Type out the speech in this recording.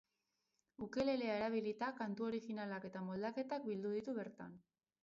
Ukelelea erabilita, kantu originalak eta moldaketak bildu ditu bertan.